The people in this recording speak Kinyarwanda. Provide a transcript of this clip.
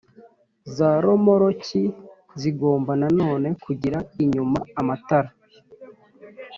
Za romoruki zigomba na none kugira inyuma, amatara